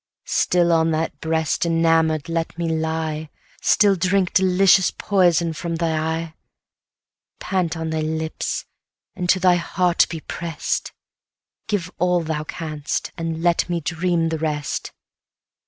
120 Still on that breast enamour'd let me lie, Still drink delicious poison from thy eye, Pant on thy lip, and to thy heart be press'd; Give all thou canst and let me dream the rest.